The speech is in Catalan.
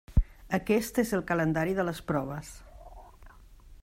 Aquest és el calendari de les proves.